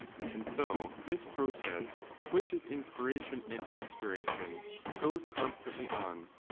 And so this process, which is inspira tion and expiration, goes constantly on.